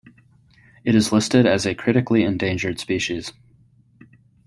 It is listed as a critically endangered species.